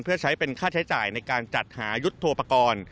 เพื่อใช้เป็นค่าใช้จ่ายในการจัดหายุทธโปรกรณ์